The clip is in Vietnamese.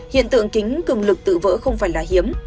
hiện tượng kính cường lực tự vỡ không phải là hiếm